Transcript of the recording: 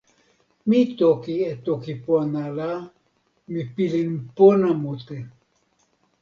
mi toki e toki pona la, mi pilin pona mute.